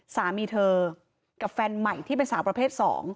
สามีเธอกับแฟนใหม่ที่เป็นสาวประเภท๒